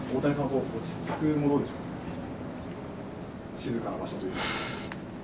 静かな場所というか。